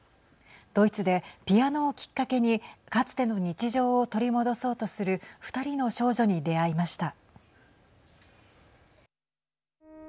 ドイツでピアノをきっかけにかつての日常を取り戻そうとする２人の少女に出会いました。